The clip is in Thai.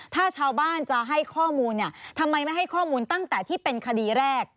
ถ้าชาวบ้านจะให้ข้อมูลเนี่ยทำไมไม่ให้ข้อมูลตั้งแต่ที่เป็นคดีแรก